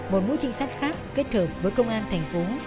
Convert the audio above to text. một mũi trinh sát khác kết hợp với công an thành phố